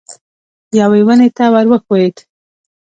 یوې ونې ته ور وښوېد.